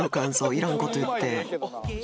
いらんこと言って！